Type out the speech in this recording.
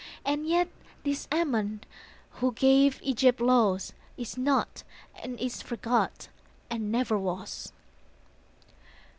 And yet this Ammon, who gave Egypt laws, Is not and is forgot and never was!